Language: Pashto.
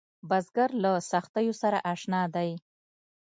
بزګر له سختیو سره اشنا دی